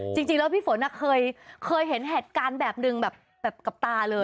จริงแล้วพี่ฝนเคยเห็นเหตุการณ์แบบหนึ่งแบบกับตาเลย